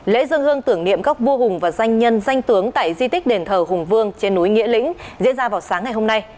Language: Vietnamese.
lễ dân hương tưởng niệm các vua hùng và danh nhân danh tướng tại di tích đền thờ hùng vương trên núi nghĩa lĩnh diễn ra vào sáng ngày hôm nay